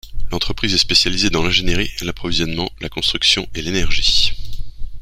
L'entreprise est spécialisée dans l'ingénierie, l'approvisionnement, la construction et l'énergie.